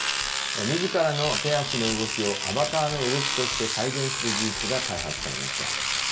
みずからの手足の動きをアバターの動きとして再現する技術が開発されました。